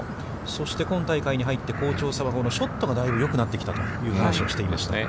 そして今大会に入っての好調さは、ショットがだいぶよくなってきたという話をしていましたね。